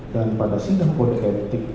dan pada sidang politik